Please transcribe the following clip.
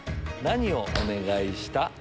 何をお願いした？